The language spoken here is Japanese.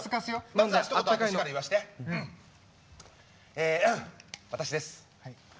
え私です！